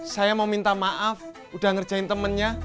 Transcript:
saya mau minta maaf udah ngerjain temennya